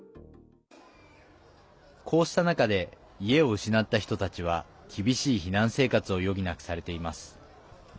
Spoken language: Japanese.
こうした中で家を失った人たちは厳しい避難生活を余儀なくされています。